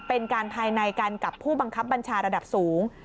เป็นการภายในกันกับผู้บังคับบัญชาระดับสูง